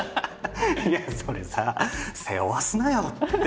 いやそれさ背負わすなよって。